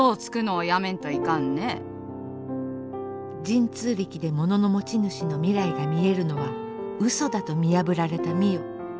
神通力で物の持ち主の未来が見えるのは嘘だと見破られた美世。